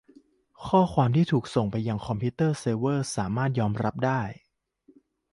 ข้อความที่ถูกส่งไปยังคอมพิวเตอร์เซิร์ฟเวอร์สามารถยอมรับได้